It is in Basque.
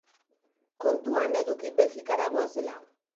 Kontuan eduki Belgikara goazela.